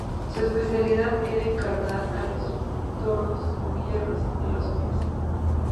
Su especialidad era encarar a los toros con hierros en los pies.